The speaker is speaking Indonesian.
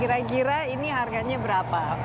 kira kira ini harganya berapa